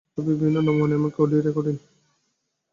ছবি, বিভিন্ন নমুনা, এমনকি অডিও রেকর্ডিং।